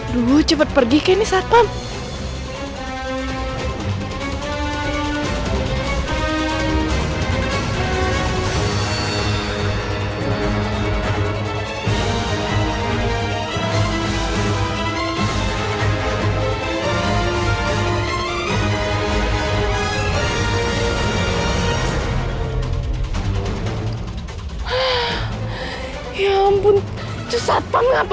lu cepet pergi ke ini saat pamp